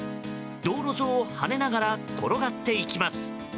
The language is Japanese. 道路上を跳ねながら転がっていきます。